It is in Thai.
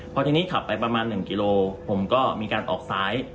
พอทีนี้ขับไปประมาณ๑กิโลผมก็มีการออกซ้าย